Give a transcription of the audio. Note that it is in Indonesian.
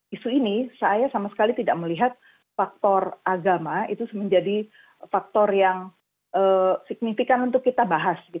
isu ini saya sama sekali tidak melihat faktor agama itu menjadi faktor yang signifikan untuk kita bahas